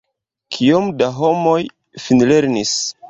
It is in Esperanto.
Kiom da homoj finlernis?